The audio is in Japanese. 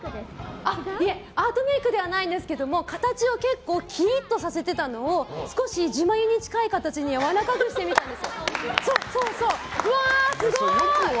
アートメイクではないんですが形を結構きりっとさせていたのを少し地眉に近い形にやわらかくしてみたんです。